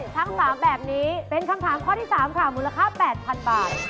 ทั้ง๓แบบนี้เป็นคำถามข้อที่๓ค่ะมูลค่า๘๐๐๐บาท